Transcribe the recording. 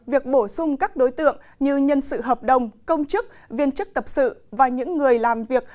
việc bổ sung các đối tượng như nhân sự hợp đồng công chức viên chức tập sự và những người làm việc